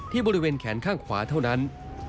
บริเวณแขนข้างขวาเท่านั้น